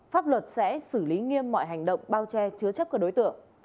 pháp luật sẽ xử lý nghiêm mọi hành động bao che chứa chấp các đối tượng